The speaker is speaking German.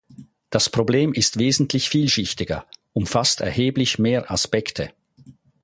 Das Problem ist wesentlich vielschichtiger, umfasst erheblich mehr Aspekte.